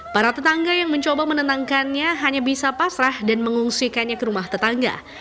para tetangga yang mencoba menenangkannya hanya bisa pasrah dan mengungsikannya ke rumah tetangga